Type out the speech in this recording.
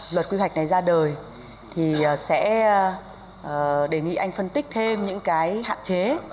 đề nghị anh phân tích thêm những cái hạn chế